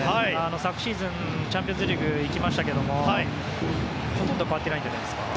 昨シーズンチャンピオンズリーグに行きましたがほとんど変わってないんじゃないですか。